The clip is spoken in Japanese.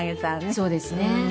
そうですね。